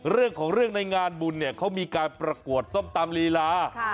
เรื่องของเรื่องในงานบุญเนี่ยเขามีการประกวดส้มตำลีลา